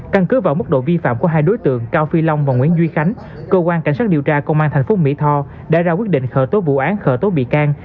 căn cứ vào mức độ vi phạm của hai đối tượng cao phi long và nguyễn duy khánh cơ quan cảnh sát điều tra công an tp mỹ tho đã ra quyết định khởi tố vụ án khởi tố bị can